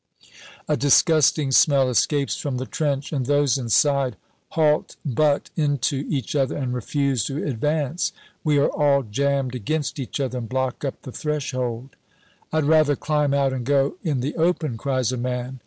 A disgusting smell escapes from the trench, and those inside halt butt into each other, and refuse to advance. We are all jammed against each other and block up the threshold. "I'd rather climb out and go in the open!" cries a man.